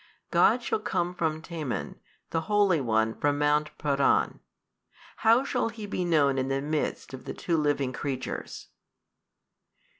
God shall come from Teman, the Holy One from mount Paran. How shall He be known in the midst of the two living creatures?